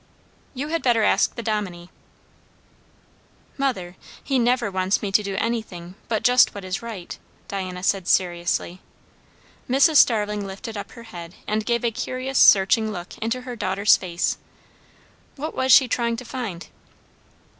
"You had better ask the Dominie." "Mother, he never wants me to do anything but just what is right," Diana said seriously. Mrs. Starling lifted up her head and gave a curious searching look into her daughter's face. What was she trying to find?